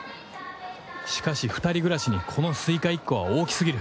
しかし２人暮らしにこのスイカ１個は大きすぎる。